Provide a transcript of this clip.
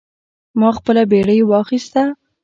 ما خپله بیړۍ واخیسته.